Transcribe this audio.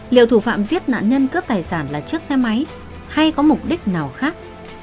liệu thủ phạm giết nạn nhân cướp tài sản là chiếc xe máy hay có mục đích nào khác